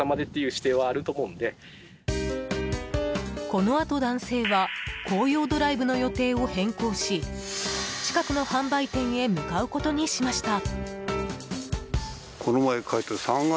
このあと男性は紅葉ドライブの予定を変更し近くの販売店へ向かうことにしました。